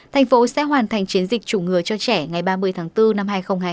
thành phố sẽ hoàn thành chiến dịch chủng ngừa cho trẻ ngày ba mươi tháng bốn năm hai nghìn hai mươi